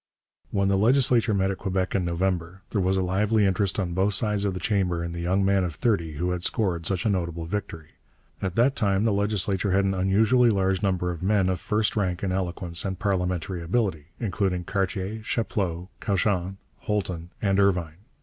When the legislature met at Quebec in November, there was a lively interest on both sides of the chamber in the young man of thirty who had scored such a notable victory. At that time the legislature had an unusually large number of men of first rank in eloquence and parliamentary ability, including Cartier, Chapleau, Cauchon, Holton, and Irvine.